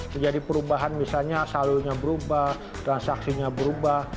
terjadi perubahan misalnya salurnya berubah transaksinya berubah